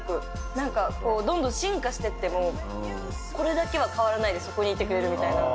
なんかこう、どんどん進化してって、もうこれだけは変わらないでそこにいてくれるみたいな。